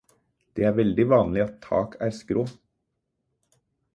Det er veldig vanlig at tak er skrå.